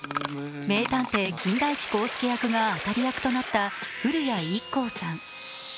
名探偵・金田一耕助役が当たり役となった古谷一行さん。